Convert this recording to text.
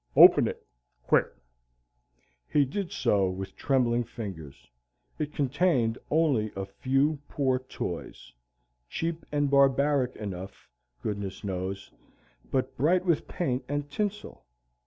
"Open it, quick!" He did so with trembling fingers. It contained only a few poor toys, cheap and barbaric enough, goodness knows, but bright with paint and tinsel.